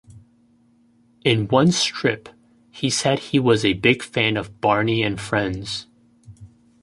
In one strip, he said he was a big fan of "Barney and Friends".